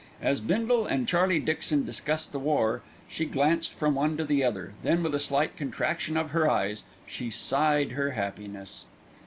As Bindle and Charlie Dixon discussed the war, she glanced from one to the other, then with a slight contraction of her eyes, she sighed her happiness.